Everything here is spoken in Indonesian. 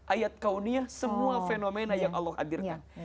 ayat kaunia semua fenomena yang allah hadirkan